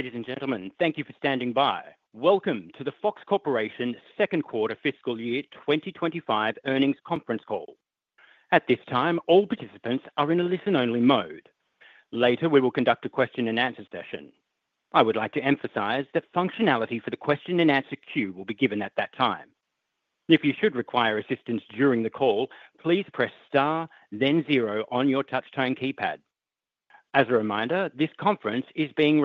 Ladies and gentlemen, thank you for standing by. Welcome to the Fox Corporation Second Quarter Fiscal Year 2025 Earnings Conference Call. At this time, all participants are in a listen-only mode. Later, we will conduct a question-and-answer session. I would like to emphasize that functionality for the question-and-answer queue will be given at that time. If you should require assistance during the call, please press star, then zero on your touch-tone keypad. As a reminder, this conference is being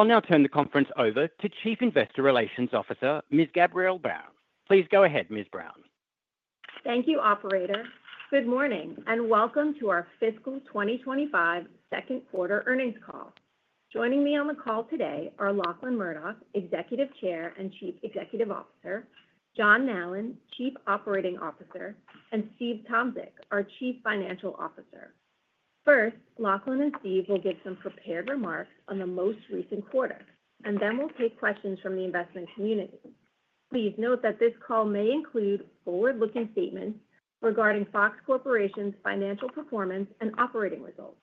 recorded. I'll now turn the conference over to Chief Investor Relations Officer, Ms. Gabrielle Brown. Please go ahead, Ms. Brown. Thank you, Operator. Good morning and welcome to our Fiscal 2025 Second Quarter Earnings Call. Joining me on the call today are Lachlan Murdoch, Executive Chair and Chief Executive Officer; John Nallen, Chief Operating Officer; and Steve Tomsic, our Chief Financial Officer. First, Lachlan and Steve will give some prepared remarks on the most recent quarter, and then we'll take questions from the investment community. Please note that this call may include forward-looking statements regarding Fox Corporation's financial performance and operating results.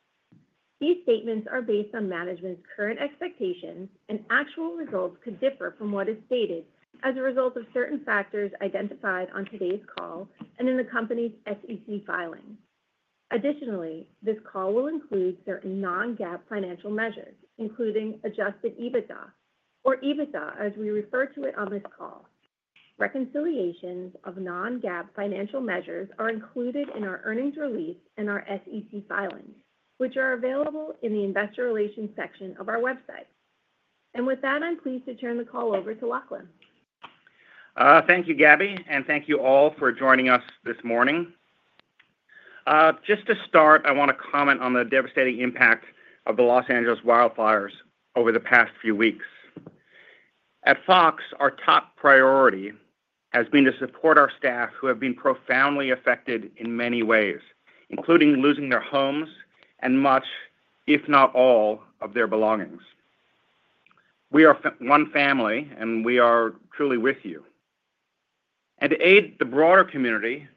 These statements are based on management's current expectations, and actual results could differ from what is stated as a result of certain factors identified on today's call and in the company's SEC filing. Additionally, this call will include certain non-GAAP financial measures, including Adjusted EBITDA, or EBITDA as we refer to it on this call. Reconciliations of non-GAAP financial measures are included in our earnings release and our SEC filing, which are available in the Investor Relations section of our website, and with that, I'm pleased to turn the call over to Lachlan. Thank you, Gabby, and thank you all for joining us this morning. Just to start, I want to comment on the devastating impact of the Los Angeles wildfires over the past few weeks. At Fox, our top priority has been to support our staff who have been profoundly affected in many ways, including losing their homes and much, if not all, of their belongings. We are one family, and we are truly with you. And to aid the broader community,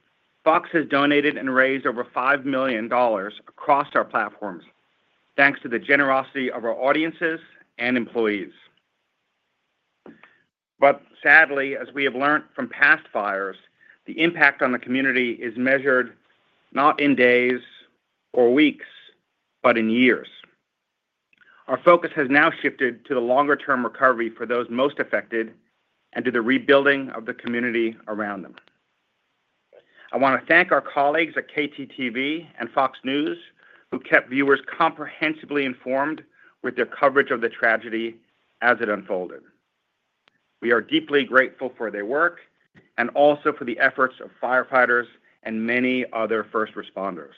Fox has donated and raised over $5 million across our platforms, thanks to the generosity of our audiences and employees. But sadly, as we have learned from past fires, the impact on the community is measured not in days or weeks, but in years. Our focus has now shifted to the longer-term recovery for those most affected and to the rebuilding of the community around them. I want to thank our colleagues at KTTV and Fox News who kept viewers comprehensively informed with their coverage of the tragedy as it unfolded. We are deeply grateful for their work and also for the efforts of firefighters and many other first responders.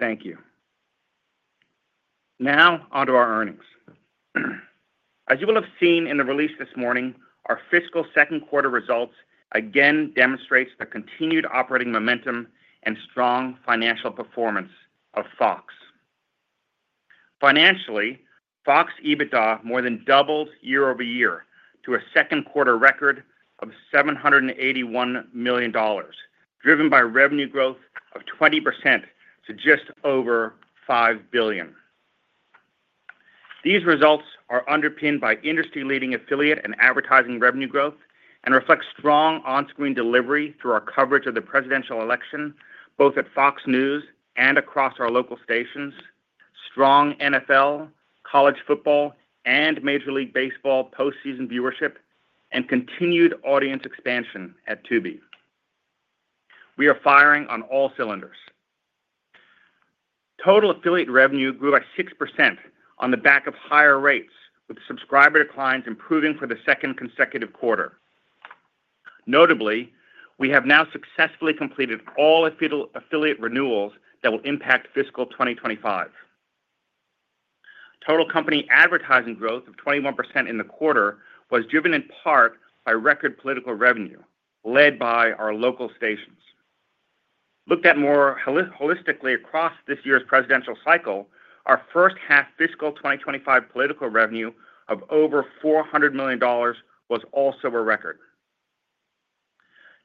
Thank you. Now, onto our earnings. As you will have seen in the release this morning, our fiscal second quarter results again demonstrate the continued operating momentum and strong financial performance of Fox. Financially, Fox EBITDA more than doubled year over year to a second quarter record of $781 million, driven by revenue growth of 20% to just over $5 billion. These results are underpinned by industry-leading affiliate and advertising revenue growth and reflect strong on-screen delivery through our coverage of the presidential election, both at Fox News and across our local stations, strong NFL, college football, and Major League Baseball postseason viewership, and continued audience expansion at Tubi. We are firing on all cylinders. Total affiliate revenue grew by 6% on the back of higher rates, with subscriber declines improving for the second consecutive quarter. Notably, we have now successfully completed all affiliate renewals that will impact fiscal 2025. Total company advertising growth of 21% in the quarter was driven in part by record political revenue led by our local stations. Looked at more holistically across this year's presidential cycle, our first-half fiscal 2025 political revenue of over $400 million was also a record.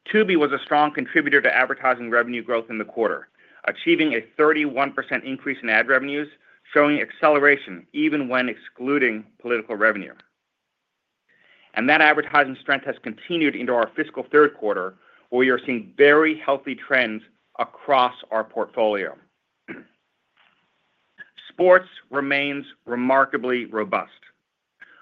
Tubi was a strong contributor to advertising revenue growth in the quarter, achieving a 31% increase in ad revenues, showing acceleration even when excluding political revenue. And that advertising strength has continued into our fiscal third quarter, where we are seeing very healthy trends across our portfolio. Sports remains remarkably robust.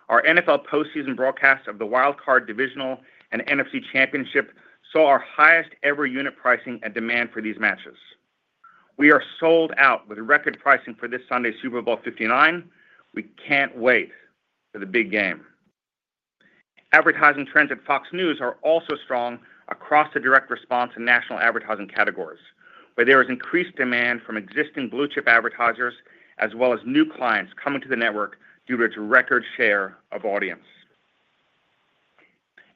Our NFL postseason broadcast of the Wild Card, Divisional and NFC Championship saw our highest-ever unit pricing and demand for these matches. We are sold out with record pricing for this Sunday's Super Bowl LIX. We can't wait for the big game. Advertising trends at Fox News are also strong across the direct response and national advertising categories, where there is increased demand from existing blue-chip advertisers as well as new clients coming to the network due to its record share of audience.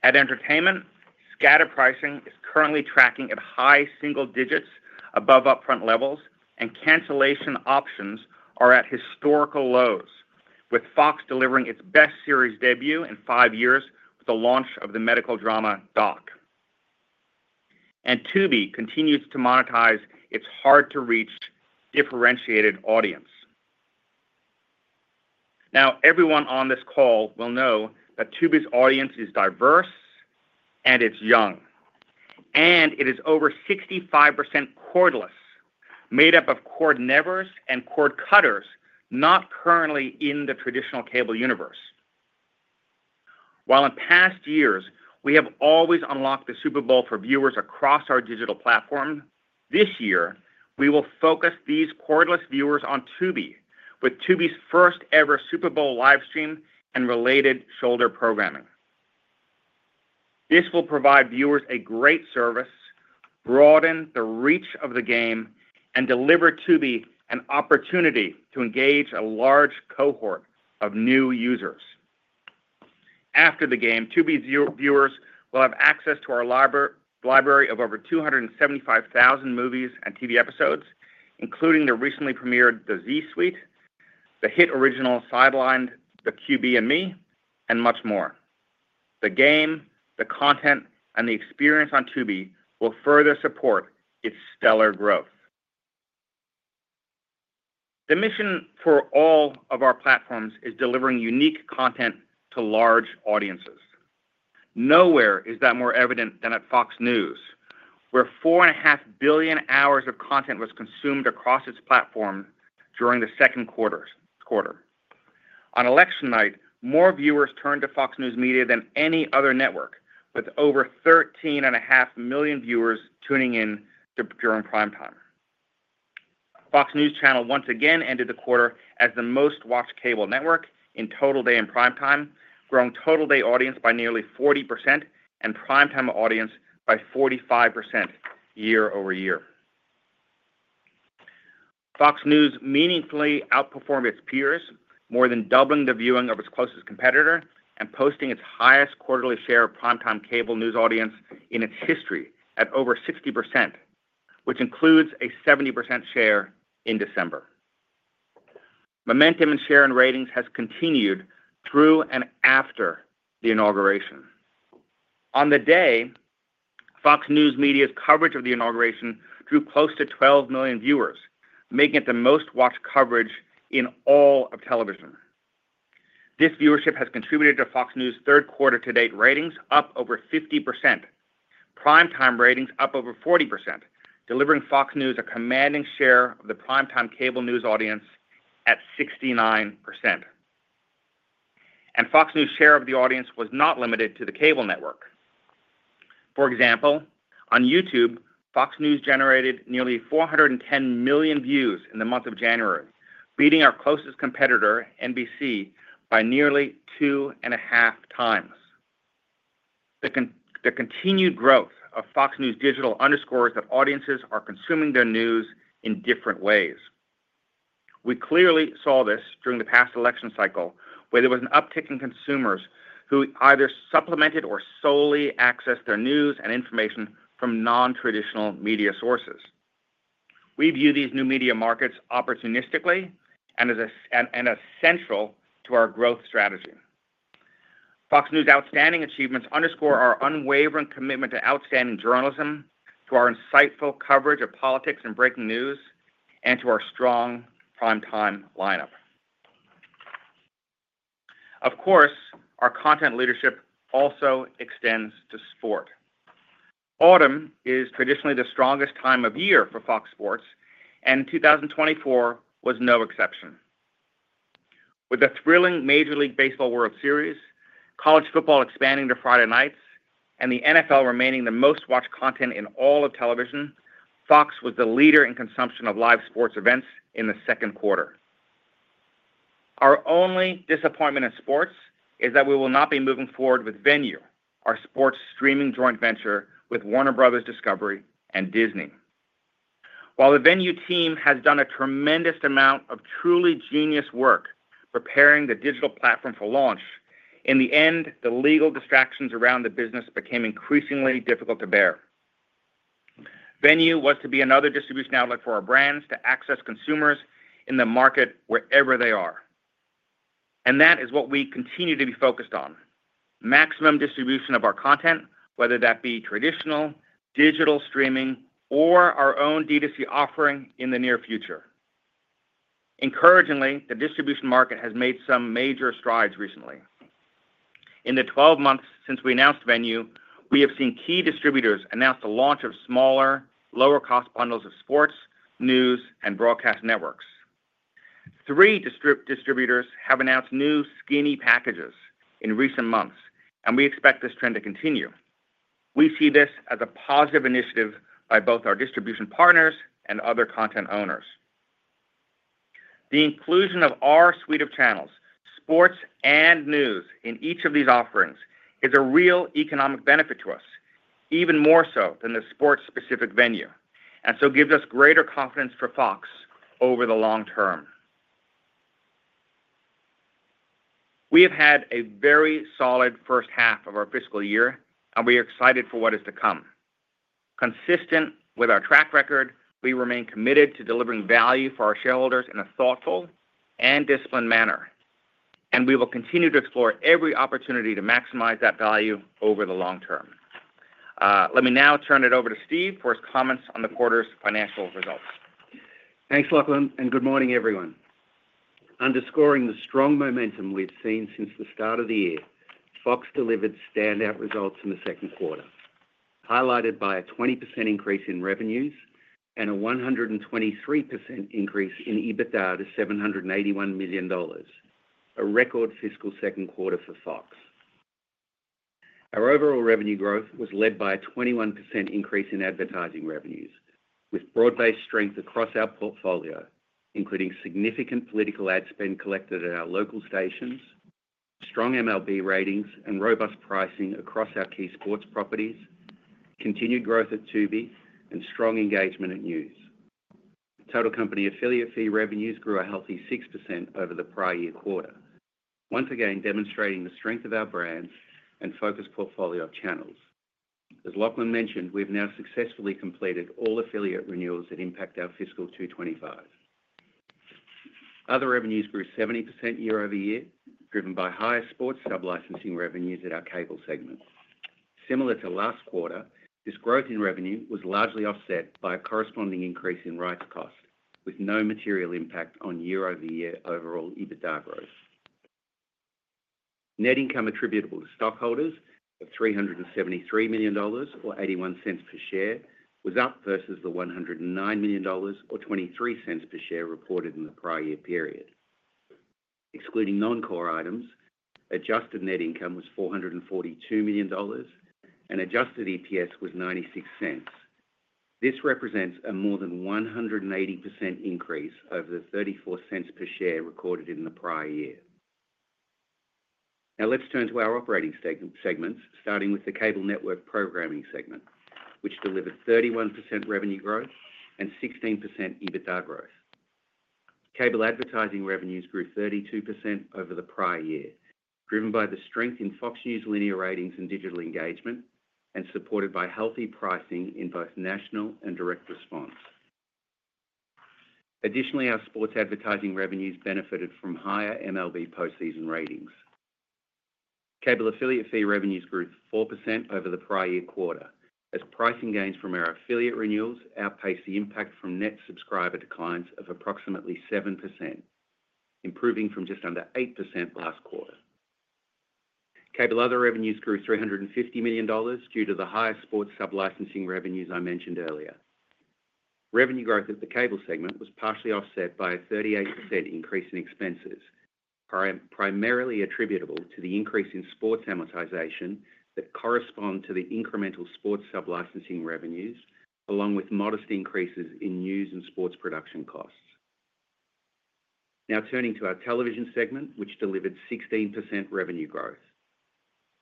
At Entertainment, scatter pricing is currently tracking at high single digits above upfront levels, and cancellation options are at historical lows, with Fox delivering its best series debut in five years with the launch of the medical drama Doc, and Tubi continues to monetize its hard-to-reach differentiated audience. Now, everyone on this call will know that Tubi's audience is diverse and it's young, and it is over 65% cordless, made up of cord-nevers and cord-cutters not currently in the traditional cable universe. While in past years, we have always unlocked the Super Bowl for viewers across our digital platform, this year, we will focus these cordless viewers on Tubi with Tubi's first-ever Super Bowl livestream and related shoulder programming. This will provide viewers a great service, broaden the reach of the game, and deliver Tubi an opportunity to engage a large cohort of new users. After the game, Tubi's viewers will have access to our library of over 275,000 movies and TV episodes, including the recently premiered The Z-Suite, the hit original Sidelined: The QB and Me, and much more. The game, the content, and the experience on Tubi will further support its stellar growth. The mission for all of our platforms is delivering unique content to large audiences. Nowhere is that more evident than at Fox News, where four and a half billion hours of content was consumed across its platform during the second quarter. On election night, more viewers turned to Fox News Media than any other network, with over 13 and a half million viewers tuning in during prime time. Fox News Channel once again ended the quarter as the most-watched cable network in total day in prime time, growing total day audience by nearly 40% and prime time audience by 45% year over year. Fox News meaningfully outperformed its peers, more than doubling the viewing of its closest competitor and posting its highest quarterly share of prime time cable news audience in its history at over 60%, which includes a 70% share in December. Momentum and share in ratings has continued through and after the inauguration. On the day, Fox News Media's coverage of the inauguration drew close to 12 million viewers, making it the most-watched coverage in all of television. This viewership has contributed to Fox News' third quarter-to-date ratings up over 50%, prime time ratings up over 40%, delivering Fox News a commanding share of the prime time cable news audience at 69%. And Fox News' share of the audience was not limited to the cable network. For example, on YouTube, Fox News generated nearly 410 million views in the month of January, beating our closest competitor, NBC, by nearly two and a half times. The continued growth of Fox News Digital underscores that audiences are consuming their news in different ways. We clearly saw this during the past election cycle, where there was an uptick in consumers who either supplemented or solely accessed their news and information from non-traditional media sources. We view these new media markets opportunistically and as essential to our growth strategy. Fox News' outstanding achievements underscore our unwavering commitment to outstanding journalism, to our insightful coverage of politics and breaking news, and to our strong prime time lineup. Of course, our content leadership also extends to sports. Autumn is traditionally the strongest time of year for Fox Sports, and 2024 was no exception. With the thrilling Major League Baseball World Series, college football expanding to Friday nights, and the NFL remaining the most-watched content in all of television, Fox was the leader in consumption of live sports events in the second quarter. Our only disappointment in sports is that we will not be moving forward with Venu, our sports streaming joint venture with Warner Bros. Discovery and Disney. While the Venu team has done a tremendous amount of truly genius work preparing the digital platform for launch, in the end, the legal distractions around the business became increasingly difficult to bear. Venu was to be another distribution outlet for our brands to access consumers in the market wherever they are. And that is what we continue to be focused on: maximum distribution of our content, whether that be traditional, digital streaming, or our own DTC offering in the near future. Encouragingly, the distribution market has made some major strides recently. In the 12 months since we announced Venu, we have seen key distributors announce the launch of smaller, lower-cost bundles of sports, news, and broadcast networks. Three distributors have announced new skinny packages in recent months, and we expect this trend to continue. We see this as a positive initiative by both our distribution partners and other content owners. The inclusion of our suite of channels, sports and news in each of these offerings is a real economic benefit to us, even more so than the sports-specific Venu, and so gives us greater confidence for Fox over the long term. We have had a very solid first half of our fiscal year, and we are excited for what is to come. Consistent with our track record, we remain committed to delivering value for our shareholders in a thoughtful and disciplined manner, and we will continue to explore every opportunity to maximize that value over the long term. Let me now turn it over to Steve for his comments on the quarter's financial results. Thanks, Lachlan, and good morning, everyone. Underscoring the strong momentum we've seen since the start of the year, Fox delivered standout results in the second quarter, highlighted by a 20% increase in revenues and a 123% increase in EBITDA to $781 million, a record fiscal second quarter for Fox. Our overall revenue growth was led by a 21% increase in advertising revenues, with broad-based strength across our portfolio, including significant political ad spend collected at our local stations, strong MLB ratings, and robust pricing across our key sports properties, continued growth at Tubi, and strong engagement at news. Total company affiliate fee revenues grew a healthy 6% over the prior year quarter, once again demonstrating the strength of our brands and focused portfolio of channels. As Lachlan mentioned, we have now successfully completed all affiliate renewals that impact our fiscal 2025. Other revenues grew 70% year-over-year, driven by higher sports sub-licensing revenues at our cable segment. Similar to last quarter, this growth in revenue was largely offset by a corresponding increase in rights cost, with no material impact on year-over-year overall EBITDA growth. Net income attributable to stockholders of $373 million or $0.81 per share was up versus the $109 million or $0.23 per share reported in the prior year period. Excluding non-core items, adjusted net income was $442 million, and adjusted EPS was $0.96. This represents a more than 180% increase over the $0.34 per share recorded in the prior year. Now, let's turn to our operating segments, starting with the cable network programming segment, which delivered 31% revenue growth and 16% EBITDA growth. Cable advertising revenues grew 32% over the prior year, driven by the strength in Fox News linear ratings and digital engagement, and supported by healthy pricing in both national and direct response. Additionally, our sports advertising revenues benefited from higher MLB postseason ratings. Cable affiliate fee revenues grew 4% over the prior year quarter, as pricing gains from our affiliate renewals outpaced the impact from net subscriber declines of approximately 7%, improving from just under 8% last quarter. Cable other revenues grew $350 million due to the highest sports sub-licensing revenues I mentioned earlier. Revenue growth at the cable segment was partially offset by a 38% increase in expenses, primarily attributable to the increase in sports amortization that corresponds to the incremental sports sub-licensing revenues, along with modest increases in news and sports production costs. Now, turning to our television segment, which delivered 16% revenue growth.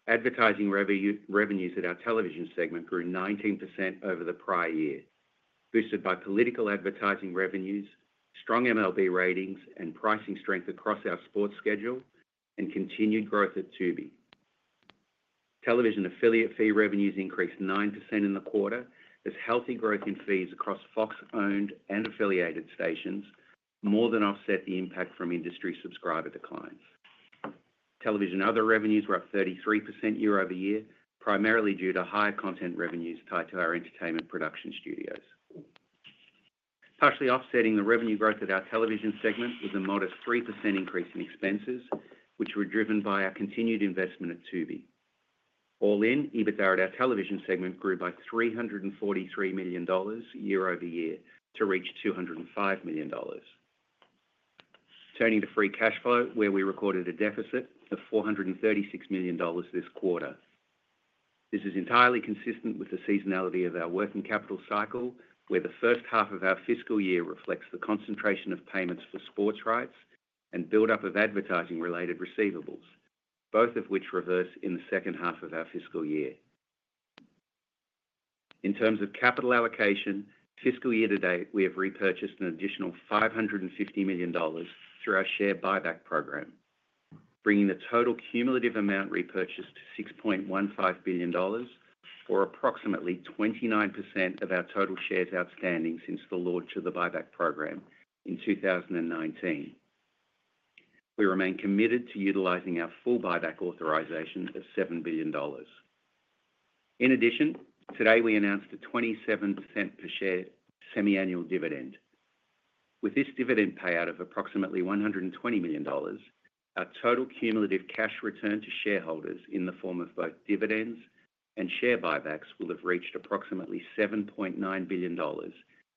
Advertising revenues at our television segment grew 19% over the prior year, boosted by political advertising revenues, strong MLB ratings, and pricing strength across our sports schedule, and continued growth at Tubi. Television affiliate fee revenues increased 9% in the quarter, as healthy growth in fees across Fox-owned and affiliated stations more than offset the impact from industry subscriber declines. Television other revenues were up 33% year-over-year, primarily due to higher content revenues tied to our entertainment production studios. Partially offsetting the revenue growth at our television segment was a modest 3% increase in expenses, which were driven by our continued investment at Tubi. All in, EBITDA at our television segment grew by $343 million year-over-year to reach $205 million. Turning to free cash flow, where we recorded a deficit of $436 million this quarter. This is entirely consistent with the seasonality of our working capital cycle, where the first half of our fiscal year reflects the concentration of payments for sports rights and build-up of advertising-related receivables, both of which reverse in the second half of our fiscal year. In terms of capital allocation, fiscal year to date, we have repurchased an additional $550 million through our share buyback program, bringing the total cumulative amount repurchased to $6.15 billion, or approximately 29% of our total shares outstanding since the launch of the buyback program in 2019. We remain committed to utilizing our full buyback authorization of $7 billion. In addition, today we announced a 27% per share semi-annual dividend. With this dividend payout of approximately $120 million, our total cumulative cash return to shareholders in the form of both dividends and share buybacks will have reached approximately $7.9 billion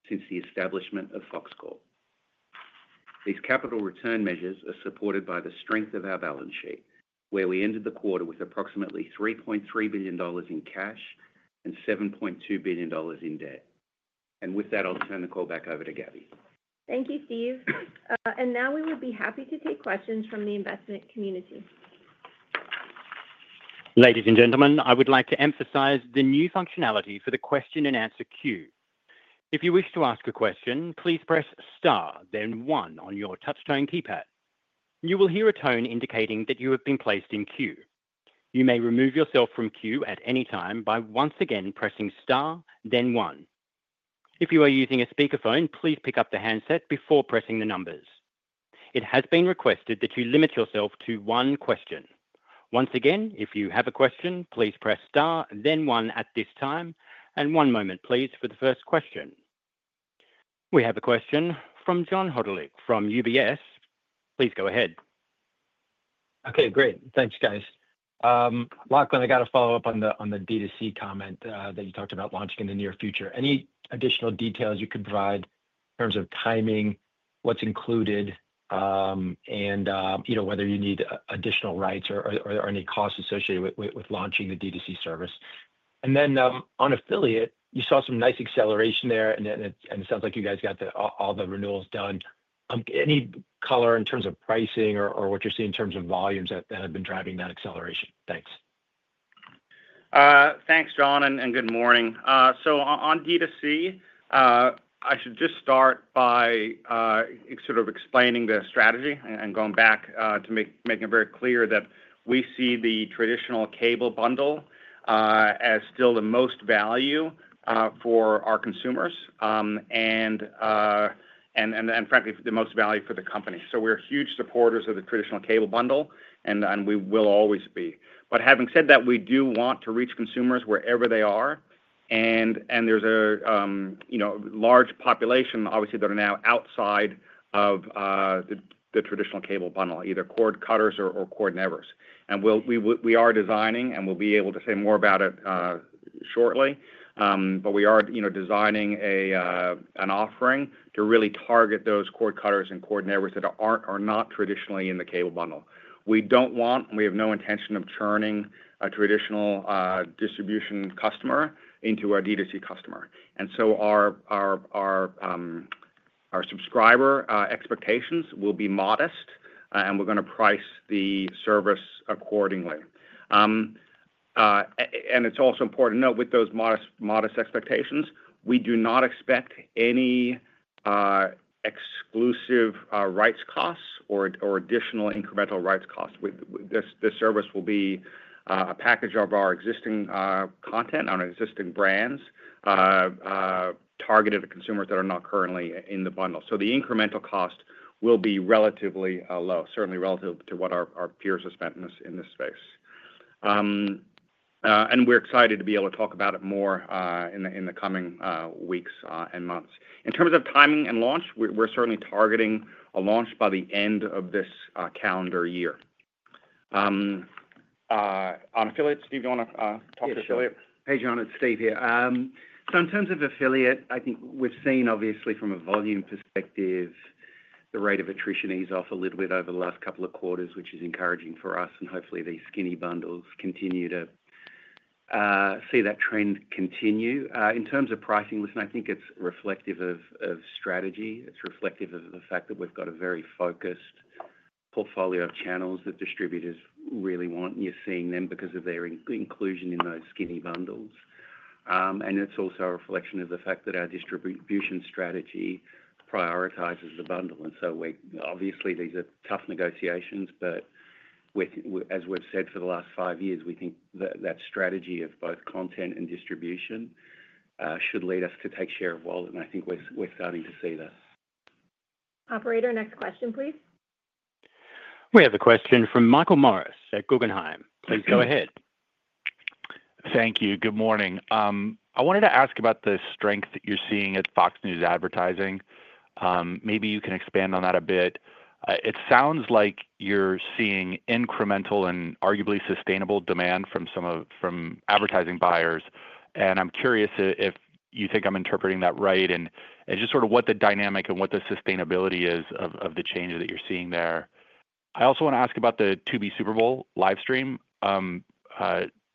since the establishment of Fox Corp. These capital return measures are supported by the strength of our balance sheet, where we ended the quarter with approximately $3.3 billion in cash and $7.2 billion in debt. And with that, I'll turn the call back over to Gabby. Thank you, Steve, and now we would be happy to take questions from the investment community. Ladies and gentlemen, I would like to emphasize the new functionality for the question and answer queue. If you wish to ask a question, please press star, then one on your touchscreen keypad. You will hear a tone indicating that you have been placed in queue. You may remove yourself from queue at any time by once again pressing star, then one. If you are using a speakerphone, please pick up the handset before pressing the numbers. It has been requested that you limit yourself to one question. Once again, if you have a question, please press star, then one at this time, and one moment, please, for the first question. We have a question from John Hodulik from UBS. Please go ahead. Okay, great. Thanks, guys. Lachlan, I got a follow-up on the DTC comment that you talked about launching in the near future. Any additional details you could provide in terms of timing, what's included, and whether you need additional rights or any costs associated with launching the DTC service? And then, on affiliate, you saw some nice acceleration there, and it sounds like you guys got all the renewals done. Any color in terms of pricing or what you're seeing in terms of volumes that have been driving that acceleration? Thanks. Thanks, John, and good morning. So on DTC, I should just start by sort of explaining the strategy and going back to making it very clear that we see the traditional cable bundle as still the most value for our consumers and, frankly, the most value for the company. So we're huge supporters of the traditional cable bundle, and we will always be. But having said that, we do want to reach consumers wherever they are. And there's a large population, obviously, that are now outside of the traditional cable bundle, either cord-cutters or cord-nevers. And we are designing, and we'll be able to say more about it shortly, but we are designing an offering to really target those cord-cutters and cord-nevers that are not traditionally in the cable bundle. We don't want, and we have no intention of churning a traditional distribution customer into our DTC customer. And so our subscriber expectations will be modest, and we're going to price the service accordingly. And it's also important to note, with those modest expectations, we do not expect any exclusive rights costs or additional incremental rights costs. This service will be a package of our existing content on existing brands targeted at consumers that are not currently in the bundle. So the incremental cost will be relatively low, certainly relative to what our peers have spent in this space. And we're excited to be able to talk about it more in the coming weeks and months. In terms of timing and launch, we're certainly targeting a launch by the end of this calendar year. On affiliate, Steve, do you want to talk to affiliate? Hey, John, it's Steve here. So in terms of affiliate, I think we've seen, obviously, from a volume perspective, the rate of attrition ease off a little bit over the last couple of quarters, which is encouraging for us, and hopefully, these skinny bundles continue to see that trend continue. In terms of pricing, listen, I think it's reflective of strategy. It's reflective of the fact that we've got a very focused portfolio of channels that distributors really want, and you're seeing them because of their inclusion in those skinny bundles, and it's also a reflection of the fact that our distribution strategy prioritizes the bundle, and so obviously, these are tough negotiations, but as we've said for the last five years, we think that strategy of both content and distribution should lead us to take share of wallet, and I think we're starting to see that. Operator, next question, please. We have a question from Michael Morris at Guggenheim. Please go ahead. Thank you. Good morning. I wanted to ask about the strength that you're seeing at Fox News advertising. Maybe you can expand on that a bit. It sounds like you're seeing incremental and arguably sustainable demand from advertising buyers. And I'm curious if you think I'm interpreting that right and just sort of what the dynamic and what the sustainability is of the change that you're seeing there. I also want to ask about the Tubi Super Bowl livestream.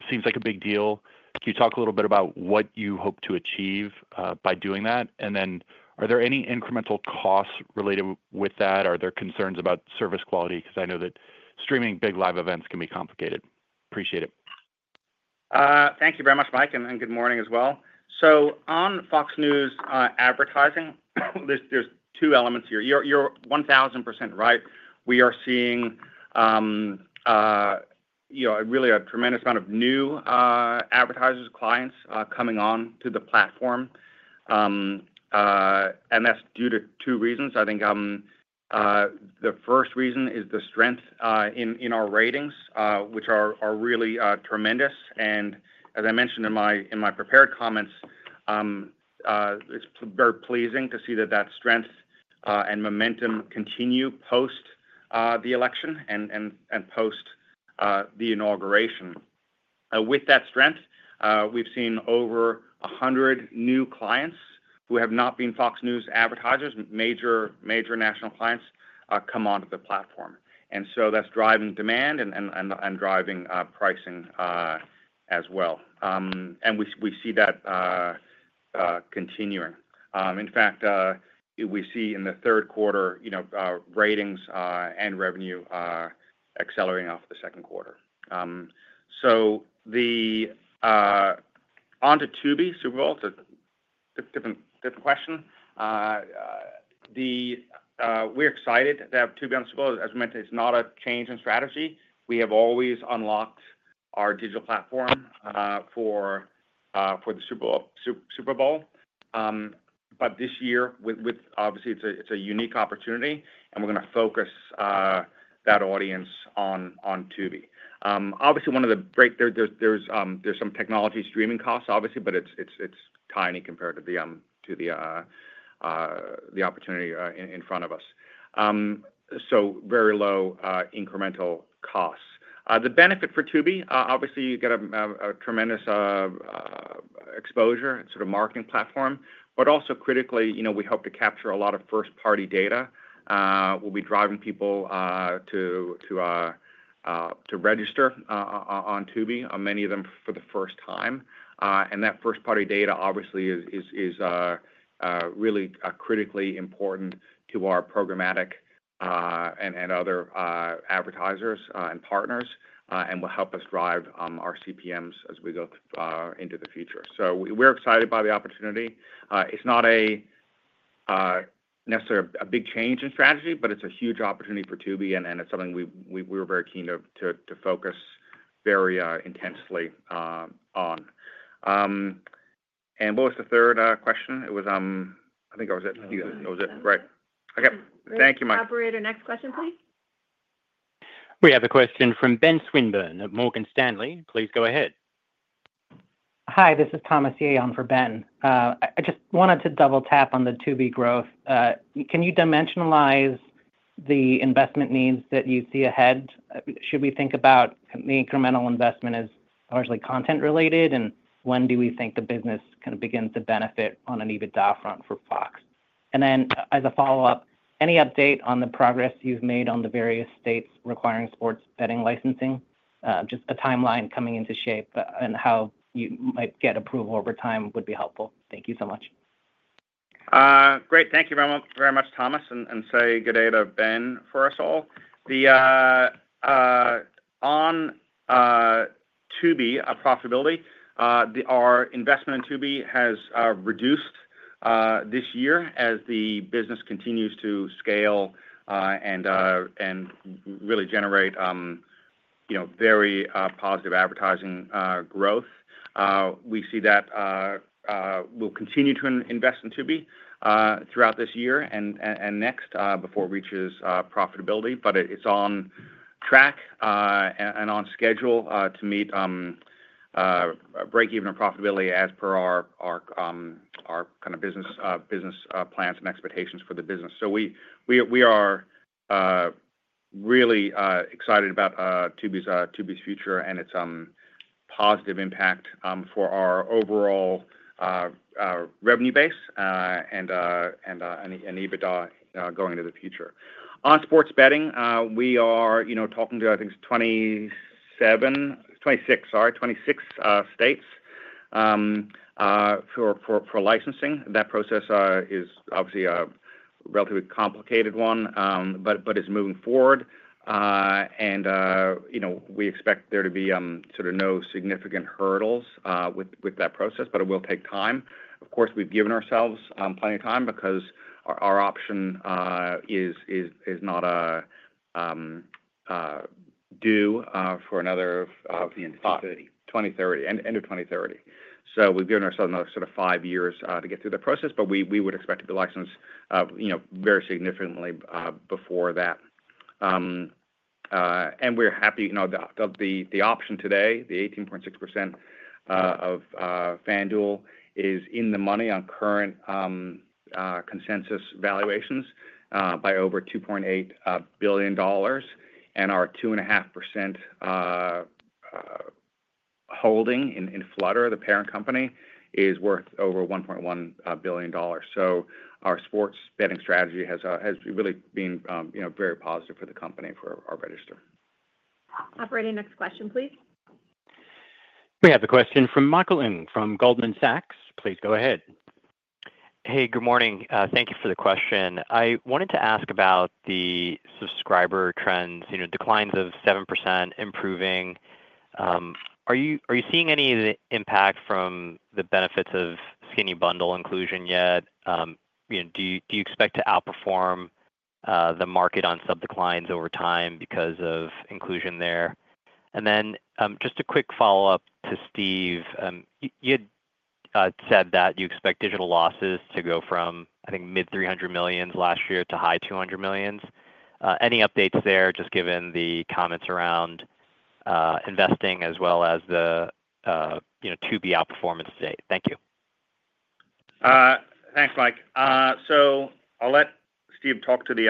Seems like a big deal. Can you talk a little bit about what you hope to achieve by doing that? And then are there any incremental costs related with that? Are there concerns about service quality? Because I know that streaming big live events can be complicated. Appreciate it. Thank you very much, Mike, and good morning as well. So on Fox News advertising, there's two elements here. You're 1,000% right. We are seeing really a tremendous amount of new advertisers, clients coming on to the platform. And that's due to two reasons. I think the first reason is the strength in our ratings, which are really tremendous. And as I mentioned in my prepared comments, it's very pleasing to see that that strength and momentum continue post the election and post the inauguration. With that strength, we've seen over 100 new clients who have not been Fox News advertisers, major national clients, come onto the platform. And so that's driving demand and driving pricing as well. And we see that continuing. In fact, we see in the third quarter ratings and revenue accelerating off the second quarter. So on to Tubi Super Bowl, different question. We're excited to have Tubi on Super Bowl, as I mentioned, it's not a change in strategy. We have always unlocked our digital platform for the Super Bowl, but this year, obviously, it's a unique opportunity, and we're going to focus that audience on Tubi. Obviously, one of the great, there's some technology streaming costs, obviously, but it's tiny compared to the opportunity in front of us, so very low incremental costs. The benefit for Tubi, obviously, you get a tremendous exposure and sort of marketing platform, but also critically, we hope to capture a lot of first-party data. We'll be driving people to register on Tubi, many of them for the first time, and that first-party data, obviously, is really critically important to our programmatic and other advertisers and partners and will help us drive our CPMs as we go into the future, so we're excited by the opportunity. It's not necessarily a big change in strategy, but it's a huge opportunity for Tubi, and it's something we were very keen to focus very intensely on. And what was the third question? It was—I think that was it. It was it. Right. Okay. Thank you, Mike. Operator, next question, please. We have a question from Ben Swinburne at Morgan Stanley. Please go ahead. Hi, this is Thomas Yeh for Ben. I just wanted to double-tap on the Tubi growth. Can you dimensionalize the investment needs that you see ahead? Should we think about the incremental investment as largely content-related, and when do we think the business kind of begins to benefit on an EBITDA front for Fox? And then as a follow-up, any update on the progress you've made on the various states requiring sports betting licensing? Just a timeline coming into shape and how you might get approval over time would be helpful. Thank you so much. Great. Thank you very much, Thomas, and say good day to Ben for us all. On Tubi profitability, our investment in Tubi has reduced this year as the business continues to scale and really generate very positive advertising growth. We see that we'll continue to invest in Tubi throughout this year and next before it reaches profitability, but it's on track and on schedule to meet break-even or profitability as per our kind of business plans and expectations for the business, so we are really excited about Tubi's future and its positive impact for our overall revenue base and EBITDA going into the future. On sports betting, we are talking to, I think, 26, sorry, 26 states for licensing. That process is obviously a relatively complicated one, but it's moving forward, and we expect there to be sort of no significant hurdles with that process, but it will take time. Of course, we've given ourselves plenty of time because our option is not due for another 2030. 2030. End of 2030. So we've given ourselves another sort of five years to get through the process, but we would expect to be licensed very significantly before that. And we're happy that the option today, the 18.6% of FanDuel, is in the money on current consensus valuations by over $2.8 billion. And our 2.5% holding in Flutter, the parent company, is worth over $1.1 billion. So our sports betting strategy has really been very positive for the company for our shareholders. Operator, next question, please. We have a question from Mike Ng from Goldman Sachs. Please go ahead. Hey, good morning. Thank you for the question. I wanted to ask about the subscriber trends, declines of 7%, improving. Are you seeing any of the impact from the benefits of skinny bundle inclusion yet? Do you expect to outperform the market on sub-declines over time because of inclusion there? And then just a quick follow-up to Steve. You had said that you expect digital losses to go from, I think, mid-$300 million last year to high $200 million. Any updates there, just given the comments around investing as well as the Tubi outperformance stated? Thank you. Thanks, Mike, so I'll let Steve talk to the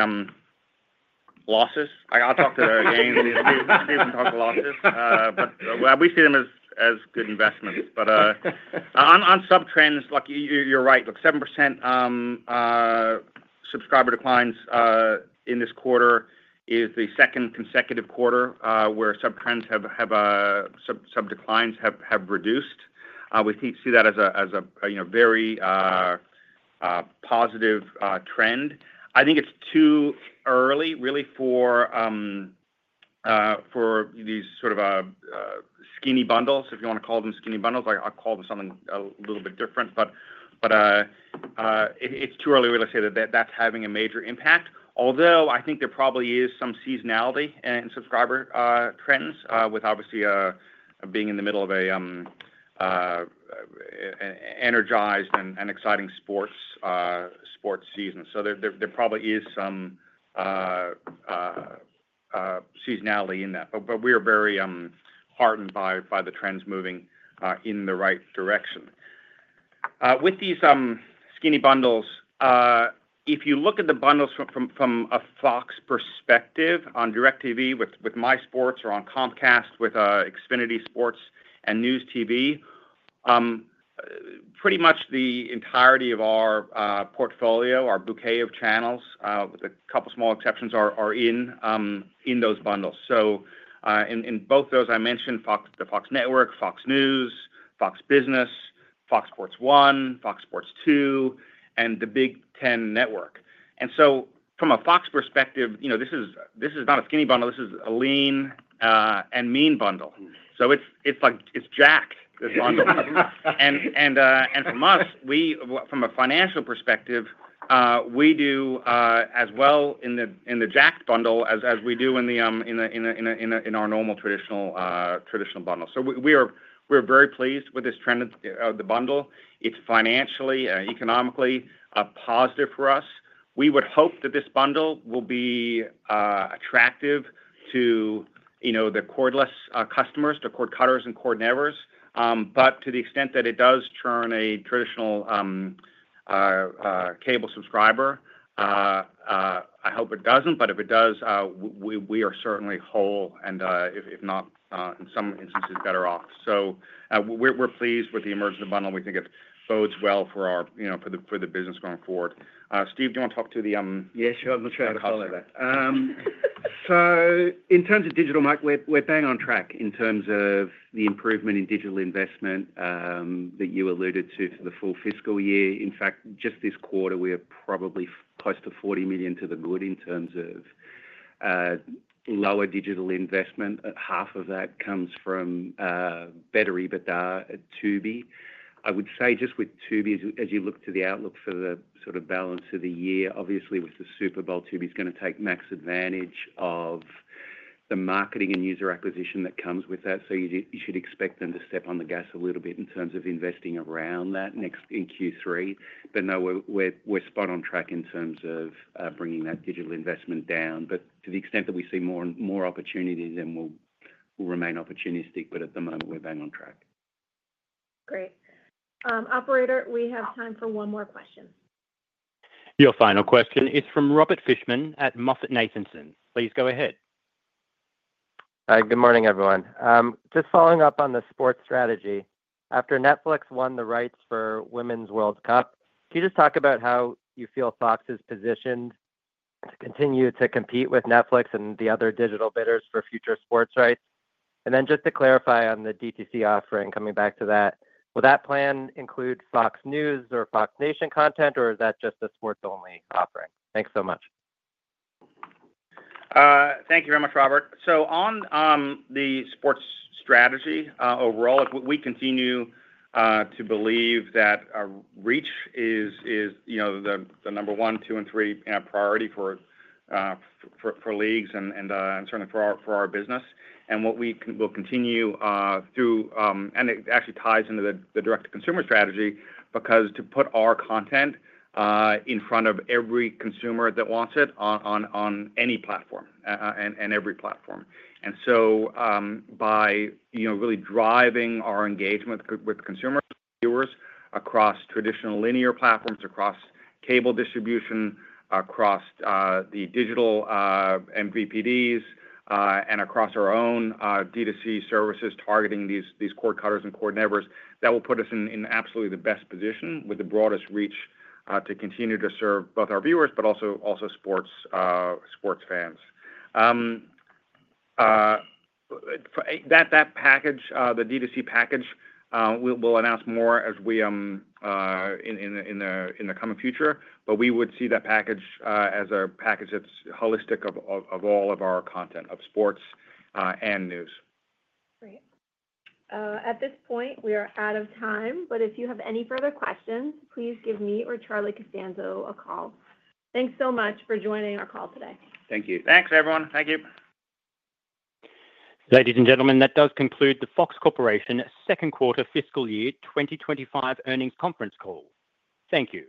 losses. I'll talk to the gains. Steve can talk to losses, but we see them as good investments, but on sub-trends, you're right. 7% subscriber declines in this quarter is the second consecutive quarter where sub-declines have reduced. We see that as a very positive trend. I think it's too early, really, for these sort of skinny bundles, if you want to call them skinny bundles. I'll call them something a little bit different, but it's too early, really, to say that that's having a major impact. Although I think there probably is some seasonality in subscriber trends with, obviously, being in the middle of an energized and exciting sports season, so there probably is some seasonality in that, but we are very heartened by the trends moving in the right direction. With these skinny bundles, if you look at the bundles from a Fox perspective on DirecTV with My Sports or on Comcast with Xfinity Sports and News TV, pretty much the entirety of our portfolio, our bouquet of channels, with a couple of small exceptions, are in those bundles, so in both those, I mentioned the Fox Network, Fox News, Fox Business, Fox Sports 1, Fox Sports 2, and the Big Ten Network, and so from a Fox perspective, this is not a skinny bundle. This is a lean and mean bundle, so it's jacked, this bundle. And from a financial perspective, we do as well in the jacked bundle as we do in our normal traditional bundle, so we are very pleased with this trend of the bundle. It's financially and economically positive for us. We would hope that this bundle will be attractive to the cordless customers, to cord-cutters and cord-nevers. But to the extent that it does churn a traditional cable subscriber, I hope it doesn't. But if it does, we are certainly whole and, if not, in some instances, better off. So we're pleased with the emergence of the bundle. We think it bodes well for the business going forward. Steve, do you want to talk to the? Yeah, sure. I'm not sure how to follow that. So in terms of digital, Mike, we're bang on track in terms of the improvement in digital investment that you alluded to for the full fiscal year. In fact, just this quarter, we are probably close to $40 million to the good in terms of lower digital investment. Half of that comes from better EBITDA at Tubi. I would say just with Tubi, as you look to the outlook for the sort of balance of the year, obviously, with the Super Bowl, Tubi is going to take max advantage of the marketing and user acquisition that comes with that. So you should expect them to step on the gas a little bit in terms of investing around that next in Q3. But no, we're spot on track in terms of bringing that digital investment down. But to the extent that we see more opportunity, then we'll remain opportunistic. But at the moment, we're bang on track. Great. Operator, we have time for one more question. Your final question is from Robert Fishman at MoffettNathanson. Please go ahead. Hi, good morning, everyone. Just following up on the sports strategy, after Netflix won the rights for Women's World Cup, can you just talk about how you feel Fox is positioned to continue to compete with Netflix and the other digital bidders for future sports rights? And then just to clarify on the DTC offering, coming back to that, will that plan include Fox News or Fox Nation content, or is that just a sports-only offering? Thanks so much. Thank you very much, Robert. So on the sports strategy overall, we continue to believe that reach is the number one, two, and three priority for leagues and certainly for our business. And we'll continue through, and it actually ties into the direct-to-consumer strategy because to put our content in front of every consumer that wants it on any platform and every platform. And so by really driving our engagement with consumers, viewers across traditional linear platforms, across cable distribution, across the digital MVPDs, and across our own DTC services targeting these cord-cutters and cord-nevers, that will put us in absolutely the best position with the broadest reach to continue to serve both our viewers but also sports fans. That package, the DTC package, we'll announce more as we in the coming future. But we would see that package as a package that's holistic of all of our content, of sports and news. Great. At this point, we are out of time. But if you have any further questions, please give me or Charlie Costanzo a call. Thanks so much for joining our call today. Thank you. Thanks, everyone. Thank you. Ladies and gentlemen, that does conclude the Fox Corporation Second Quarter Fiscal Year 2025 Earnings Conference Call. Thank you.